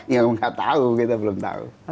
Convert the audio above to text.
yang nggak tahu kita belum tahu